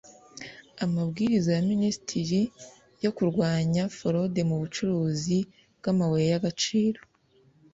amabwiriza ya minisitiri yo kurwanya forode mu bucuruzi bw’amabuye y’agaciro